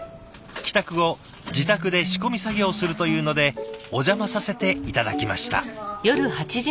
帰宅後自宅で仕込み作業をするというのでお邪魔させて頂きました。